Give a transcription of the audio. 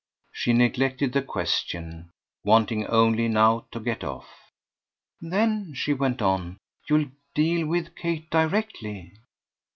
She neglected the question, wanting only now to get off. "Then," she went on, "you'll deal with Kate directly."